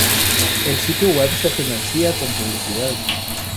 El sitio web se financia con publicidad.